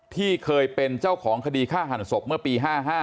ที่เคยเป็นเจ้าของคดีฆ่าหันศพเมื่อปี๕๕